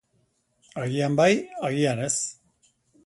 Agian bai, agian ez!